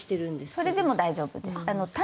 それでも大丈夫です。